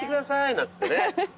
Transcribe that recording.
なんつってね。